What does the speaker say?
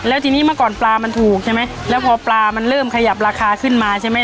แล้วทีนี้เมื่อก่อนปลามันถูกใช่ไหมแล้วพอปลามันเริ่มขยับราคาขึ้นมาใช่ไหม